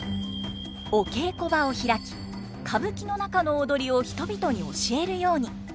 お稽古場を開き歌舞伎の中の踊りを人々に教えるように。